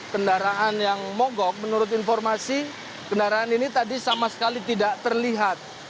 kendaraan yang mogok menurut informasi kendaraan ini tadi sama sekali tidak terlihat